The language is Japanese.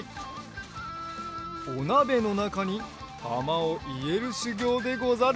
おなべのなかにたまをいれるしゅぎょうでござる。